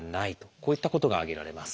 こういったことが挙げられます。